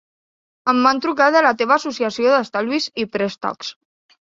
Em van trucar de la teva associació d'estalvis i préstecs.